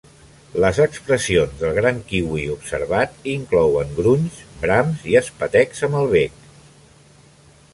Les expressions del gran kiwi observat inclouen grunys, brams i espetecs amb el bec.